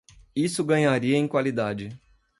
Isso ganharia em qualidade.